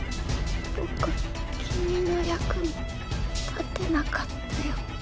僕君の役に立てなかったよ。